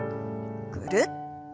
ぐるっと。